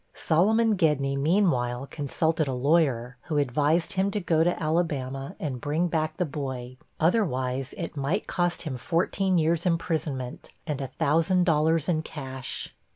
Solomon Gedney, meanwhile, consulted a lawyer, who advised him to go to Alabama and bring back the boy, otherwise it might cost him fourteen years' imprisonment, and a thousand dollars in cash.